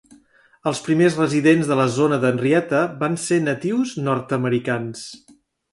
Els primers residents de la zona de Henrietta van ser natius nord-americans.